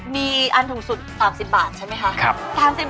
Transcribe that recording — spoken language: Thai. มีอันถูกสุด๓๐บาทใช่ไหมคะ